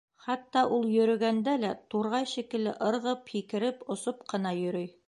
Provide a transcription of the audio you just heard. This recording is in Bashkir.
Хатта ул, йөрөгәндә лә, турғай шикелле ырғып, һикереп, осоп ҡына йөрөй.